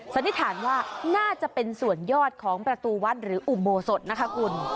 สันนิษฐานว่าน่าจะเป็นส่วนยอดของประตูวัดหรืออุโบสถนะคะคุณ